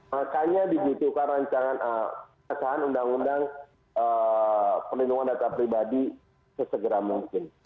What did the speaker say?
makanya dibutuhkan rancangan undang undang perlindungan data pribadi sesegera mungkin